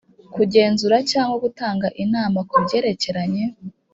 Kugenzura cyangwa gutanga inama ku byerekeranye